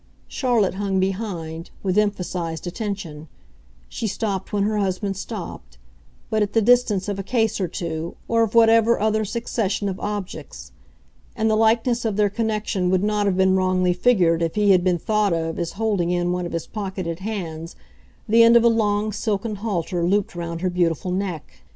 Charlotte hung behind, with emphasised attention; she stopped when her husband stopped, but at the distance of a case or two, or of whatever other succession of objects; and the likeness of their connection would not have been wrongly figured if he had been thought of as holding in one of his pocketed hands the end of a long silken halter looped round her beautiful neck.